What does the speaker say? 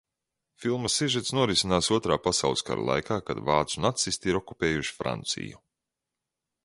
Filmas sižets norisinās Otrā pasaules kara laikā, kad vācu nacisti ir okupējuši Franciju.